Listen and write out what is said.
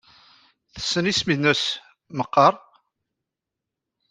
Tessen isem-nnes meqqar?